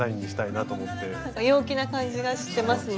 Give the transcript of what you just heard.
なんか陽気な感じがしてますね。